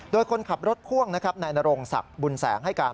โดยคนขับรถพ่วงนะครับนายนโรงศักดิ์บุญแสงให้การ